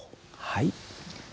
はい。